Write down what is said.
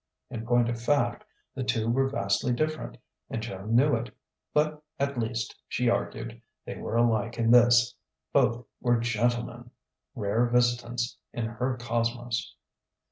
In point of fact, the two were vastly different, and Joan knew it; but, at least, she argued, they were alike in this: both were gentlemen rare visitants in her cosmos.